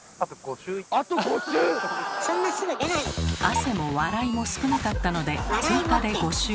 汗も笑いも少なかったので追加で５周。